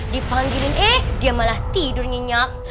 dipanggilin eh dia malah tidur nyenyak